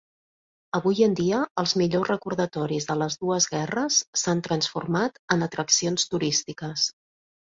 Avui en dia, els millors recordatoris de les dues guerres s'han transformat en atraccions turístiques.